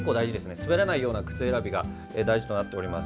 滑らないような靴選びが大事となっています。